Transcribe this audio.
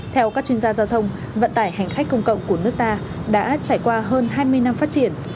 theo các chuyên gia giao thông vận tải hành khách công cộng của nước ta đã trải qua hơn hai mươi năm phát triển